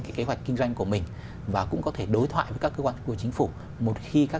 cái kế hoạch kinh doanh của mình và cũng có thể đối thoại với các cơ quan của chính phủ một khi các